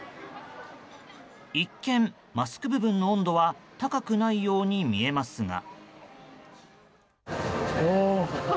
一見、マスク部分の温度は高くないように見えますが。